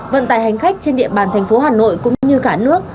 vận tài hành khách trên địa bàn thành phố hà nội cũng như cả nước